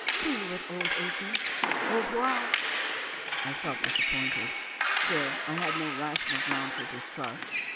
See you at Oldacres. Au revoir.' "I felt disappointed. Still I had no rational ground for distrust.